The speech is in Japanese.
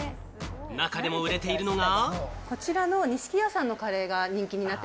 中でも売れているのが。